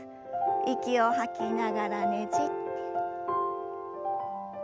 息を吐きながらねじって。